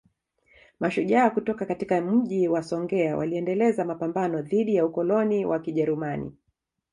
Mashujaa kutoka katika Mji wa Songea waliendeleza mapambano dhidi ya ukoloni wa Kijerumani